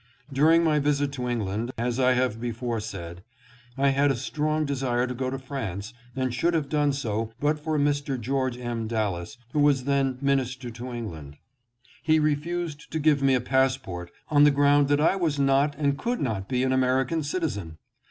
During my visit to England, as I have before said, I had a strong desire to go to France, and should have done so but for a Mr. George M. Dallas, who was then minister to England. He refused THE RELIGION OF MAHOMET. 713 to give me a passport on the ground that I was not and could not be an American citizen.